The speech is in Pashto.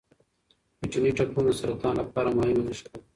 کوچني ټپونه د سرطان لپاره مهم نښې دي.